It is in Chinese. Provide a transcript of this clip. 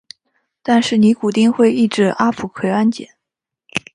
但是尼古丁会抑制阿朴奎胺碱。